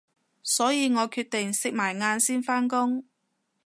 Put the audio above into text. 所以我決定食埋晏先返工